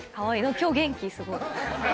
・今日元気すごい。